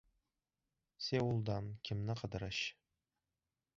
• Seuldan Kimni qidirish.